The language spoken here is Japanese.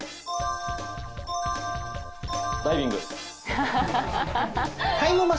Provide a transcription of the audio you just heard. ダイビング。